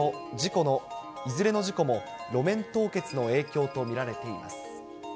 いずれの事故も路面凍結の影響と見られています。